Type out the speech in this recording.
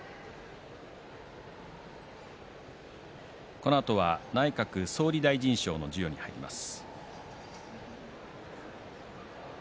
このあとは内閣総理大臣賞の授与に入ります。